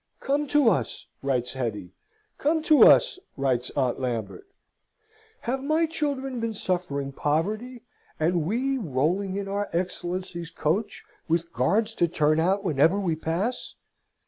"Come to us!" writes Hetty. "Come to us!" writes Aunt Lambert. "Have my children been suffering poverty, and we rolling in our Excellency's coach, with guards to turn out whenever we pass?